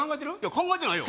考えてないよ